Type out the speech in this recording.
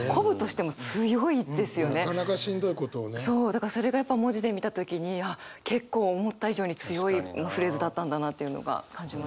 だからそれがやっぱ文字で見た時にあっ結構思った以上に強いフレーズだったんだなっていうのが感じました。